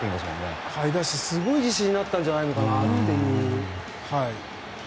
そうだし、すごい自信があったんじゃないかなっていう。